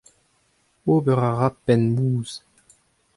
Ober a ra penn mouzh.